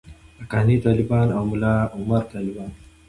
حقاني طالبان او ملاعمر طالبان.